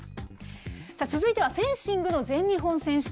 続いてはフェンシングの全日本選手権。